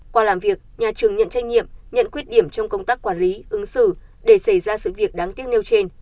qua làm việc nhà trường nhận trách nhiệm nhận quyết điểm trong công tác quản lý ứng xử để xảy ra sự việc đáng tiếc nêu trên